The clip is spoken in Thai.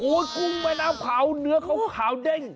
โหนี่กุ้งไม่น้ำเผาเนื้อเขาขาวเด้ง